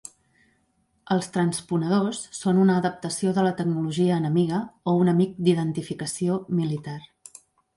Els transponedors són una adaptació de la tecnologia enemiga o un amic d"identificació militar.